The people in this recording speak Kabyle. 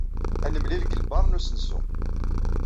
Ad nemlil deg lbaṛ n usensu.